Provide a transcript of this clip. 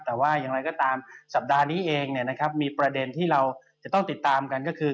แต่ว่าอย่างไรก็ตามสัปดาห์นี้เองมีประเด็นที่เราจะต้องติดตามกันก็คือ